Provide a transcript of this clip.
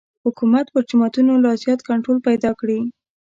حکومت پر جوماتونو لا زیات کنټرول پیدا کړي.